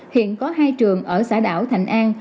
hiện có hai trường ở xã đảo thành an